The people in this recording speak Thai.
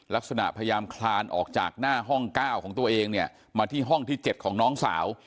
ลักษณะพยายามคลานออกจากหน้าห้อง๙ของตัวเองเนี่ยมาที่ห้องที่๗ของน้องสาว